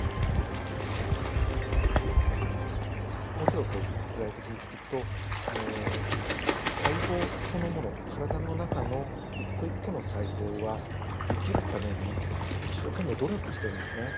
もうちょっと具体的に言っていくと細胞そのもの体の中の一個一個の細胞は生きるために一生懸命努力してるんですね。